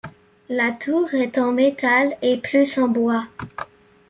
La tour est en métal, et plus en bois.